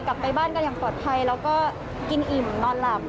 กลับไปบ้านกันอย่างปลอดภัยแล้วก็กินอิ่มนอนหลับ